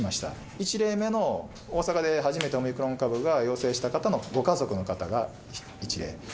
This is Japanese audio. １例目の大阪で初めてオミクロン株の陽性した方のご家族の方が１